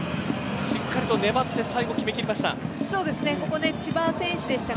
しっかりと粘って最後、決め切りました。